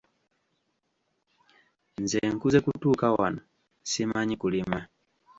Nze nkuze kutuuka wano ssimanyi kulima.